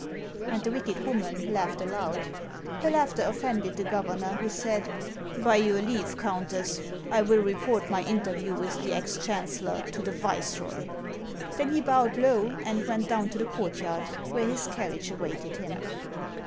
And the wicked woman laughed aloud. Her laughter offended the governor, who said, " By your leave, Countess, I will report my interview with the ex chaucellor to the viceroy." Then he bowed low, and went down to the courtyard, where his carriage awaited him.